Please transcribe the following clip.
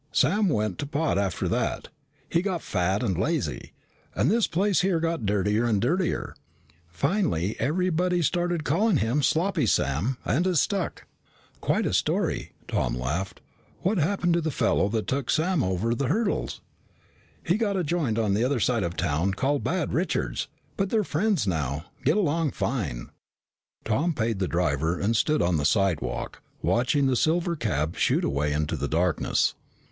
Sam went to pot after that. He got fat and lazy, and his place here got dirtier and dirtier. Finally everybody started calling him Sloppy Sam and it stuck." "Quite a story." Tom laughed. "What happened to the fellow that took Sam over the hurdles?" "He's got a joint on the other side of town called Bad Richard's. But they're friends now. Get along fine." Tom paid the driver and stood on the sidewalk, watching the silver cab shoot away into the darkness.